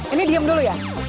ini diem dulu ya